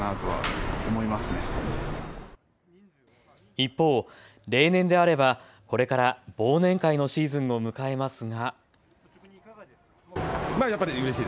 一方、例年であればこれから忘年会のシーズンを迎えますが。